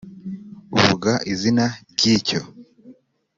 vuga izina ry'icyo